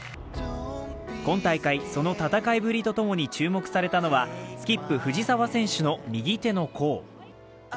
今大会、その戦いぶりと共に注目されたのはスキップ・藤澤選手の右手の甲。